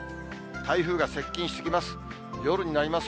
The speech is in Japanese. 台風が接近してきます。